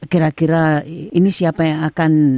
kira kira ini siapa yang akan